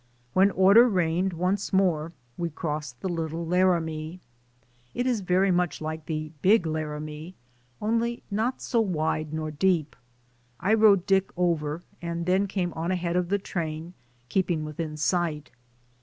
When order reigned once more we crossed the Little Laramie. It is very much like the Big Laramie, only not so wide nor deep; I rode Dick over, and then came on ahead of the train, keeping within sight.